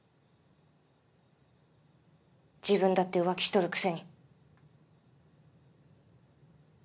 自分だって浮気しとるくせに。